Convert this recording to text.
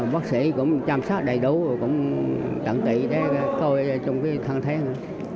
bác sĩ cũng chăm sóc đầy đủ cũng đẩn tị để coi trong cái thang thang